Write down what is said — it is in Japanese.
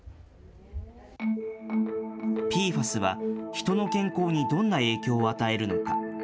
ＰＦＡＳはヒトの健康にどんな影響を与えるのか。